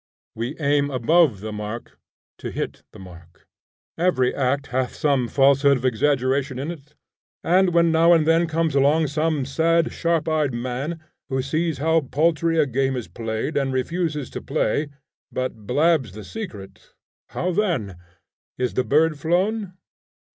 We aim above the mark to hit the mark. Every act hath some falsehood of exaggeration in it. And when now and then comes along some sad, sharp eyed man, who sees how paltry a game is played, and refuses to play, but blabs the secret; how then? Is the bird flown?